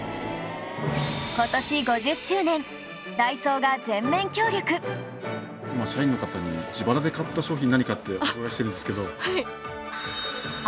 今社員の方に自腹で買った商品何かってお伺いしてるんですけど。